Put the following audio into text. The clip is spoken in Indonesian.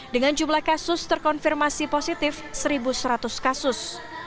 dengan jumlah kasus terkonfirmasi positif satu seratus kasus